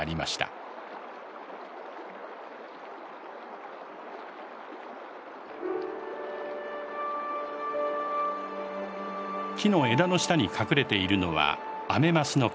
木の枝の下に隠れているのはアメマスの子供です。